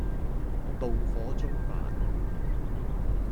妒火縱猛